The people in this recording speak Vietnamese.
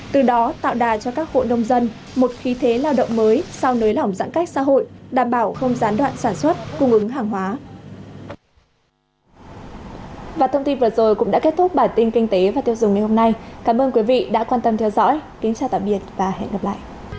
từ đó tạo đà cho các hộ nông dân một khí thế lao động mới sau nới lỏng giãn cách xã hội đảm bảo không gián đoạn sản xuất cung ứng hàng hóa